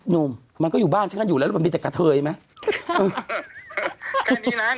นวมมันก็อยู่บ้านเนี่ยอยู่แล้วมันมีแต่กับเธอใช่ไหม